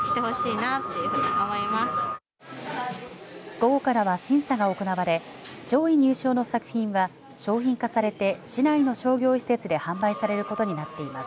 午後からは審査が行われ上位入賞の作品は商品化されて市内の商業施設で販売されることになっています。